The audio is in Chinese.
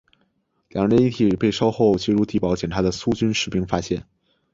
两人的遗体被稍后进入地堡检查的苏军士兵发现。